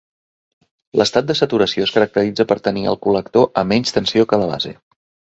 L'estat de saturació es caracteritza per tenir el col·lector a menys tensió que la base.